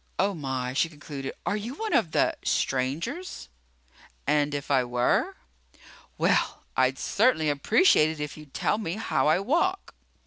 Oh, my," she concluded, "are you one of the strangers?" "And if I were?" "Well, I'd certainly appreciate it if you'd tell me how I walk."